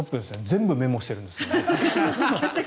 全部メモしてるんですね。